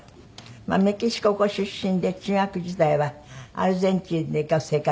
まあメキシコご出身で中学時代はアルゼンチンで生活もなさいました。